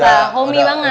udah homie banget